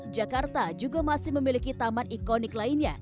jakarta juga masih memiliki taman ikonik lainnya